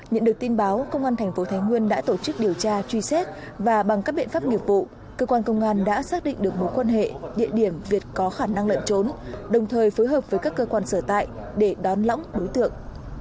nhận được tin báo công an thành phố thái nguyên đã tổ chức điều tra truy xét và bằng các biện pháp nghiệp vụ cơ quan công an đã xác định được mối quan hệ địa điểm việt có khả năng lẩn trốn đồng thời phối hợp với các cơ quan sở tại để đón lõng đối tượng